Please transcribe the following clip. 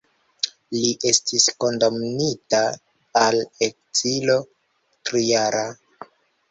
Li estis kondamnita al ekzilo trijara.